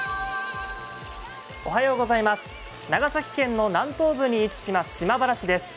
長崎県の南東部に位置します島原市です。